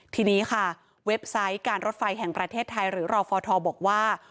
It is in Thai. ทีนี้ค่ะเว็บไซต์การรถไฟแห่งประเทศไทยหรือรอฟทบอกว่า